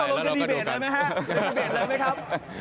อันนี้ต่อลงจะดีเบตเลยไหมครับ